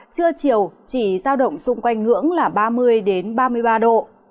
trưa chiều chỉ giao động xung quanh ngưỡng là ba mươi ba mươi ba độ